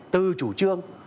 từ chủ trương